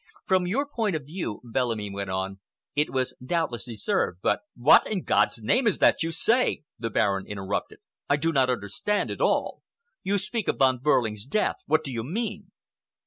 From your point of view," Bellamy went on, "it was doubtless deserved, but—" "What, in God's name, is this that you say?" the Baron interrupted. "I do not understand at all! You speak of Von Behrling's death! What do you mean?"